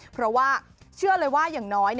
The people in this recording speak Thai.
เพราะว่าเชื่อเลยว่าอย่างน้อย